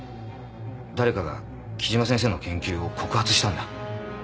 誰かが木島先生の研究を告発したんだ。